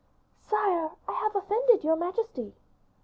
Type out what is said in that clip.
"Sire, I have offended your majesty."